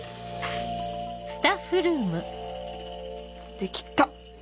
できた！